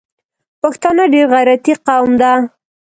پښتانه ډېر غیرتي قوم ده